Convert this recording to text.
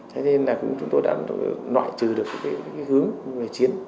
thế nên là cũng chúng tôi đã nọi trừ được cái hướng của người chiến